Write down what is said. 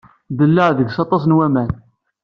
Ddellaɛ deg-s aṭas n waman.